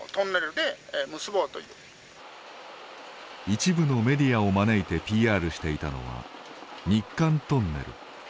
一部のメディアを招いてＰＲしていたのは日韓トンネル。